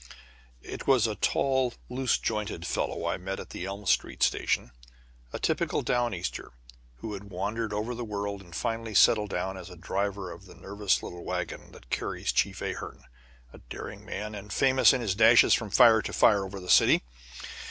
It was a tall, loose jointed fellow I met at the Elm Street station, a typical down easter, who had wandered over the world and finally settled down as driver of the nervous little wagon that carries Chief Ahearn, a daring man and famous, in his dashes from fire to fire over the city.